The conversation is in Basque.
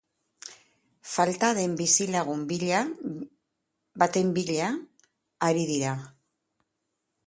Falta den bizilagun baten bila ari dira.